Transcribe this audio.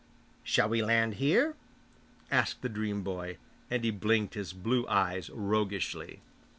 'Shall we land here?' asked the dream boy, and he blinked his blue eyes roguishly.